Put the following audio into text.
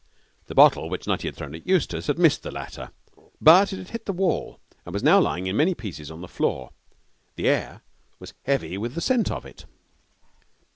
The bottle which Nutty had thrown at Eustace had missed the latter, but it had hit the wall, and was now lying in many pieces on the floor, and the air was heavy with the scent of it.